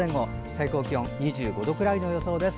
最高気温２５度くらいの予想です。